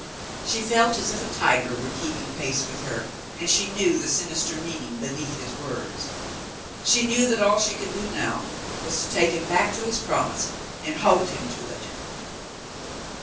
She felt as if a tiger were keeping pace with her, and she knew the sinister meaning beneath his words. She knew that all she could do now was to take him back to his promise and hold him to it.